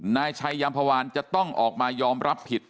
นายชัยยามพวานจะต้องออกมายอมรับผิด